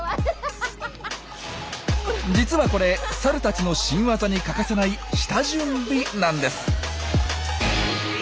実はこれサルたちの新ワザに欠かせない下準備なんです。